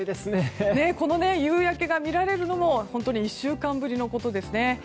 この夕焼けが見られるのも本当に１週間ぶりのことですね。